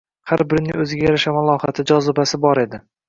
Har birining o`ziga yarasha malohati, jozibasi bor edi